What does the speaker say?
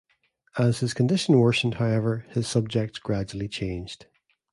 As his condition worsened, however, his subjects gradually changed.